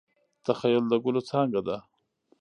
تخیل د ګلو څانګه ده.